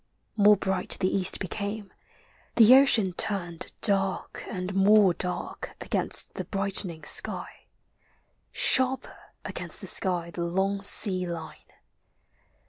More bright the East became, the ocean turned Dark and more dark against the brightening «ky, — Sharper against the sky the long sea line.